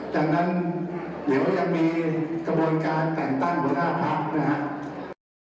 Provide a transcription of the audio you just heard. ดังนั้นเหลือว่ายังมีกระบวนการแต่งตั้งหัวหน้าพักษ์